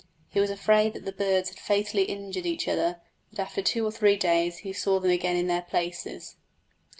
He was afraid that the birds had fatally injured each other, but after two or three days he saw them again in their places.